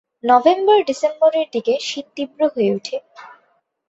নভেম্বর-ডিসেম্বরের দিকে শীত তীব্র হয়ে উঠে।